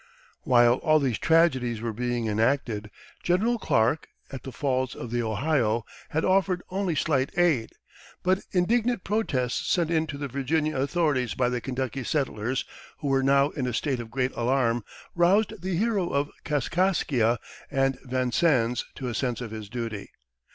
While all these tragedies were being enacted, General Clark, at the Falls of the Ohio, had offered only slight aid. But indignant protests sent in to the Virginia authorities by the Kentucky settlers, who were now in a state of great alarm, roused the hero of Kaskaskia and Vincennes to a sense of his duty.